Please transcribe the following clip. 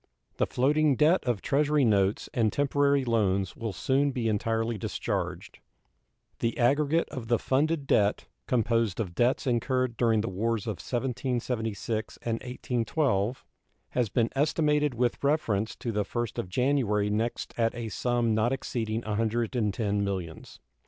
The floating debt of Treasury notes and temporary loans will soon be entirely discharged. The aggregate of the funded debt, composed of debts incurred during the wars of 1776 and 1812, has been estimated with reference to the first of January next at a sum not exceeding $110 millions.